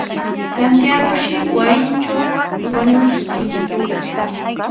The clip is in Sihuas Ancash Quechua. Santiagoshi wasintraw wañuskin.